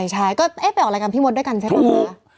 ใช่ก็เอ๊ะไปออกรายการพี่มดด้วยกันใช่ไหมคะ